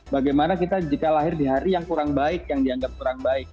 bagaimana kita jika lahir di hari yang kurang baik yang dianggap kurang baik